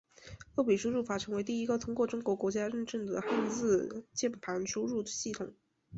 二笔输入法成为第一个通过中国国家认证的汉字键盘输入系统。